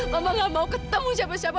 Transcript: mama nggak mau ketemu siapa siapa